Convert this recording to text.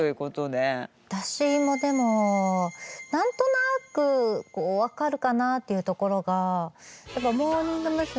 私もでも何となく分かるかなっていうところが「モーニング娘。」